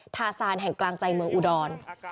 ทาซานแห่งกลางใจเมืองอุดร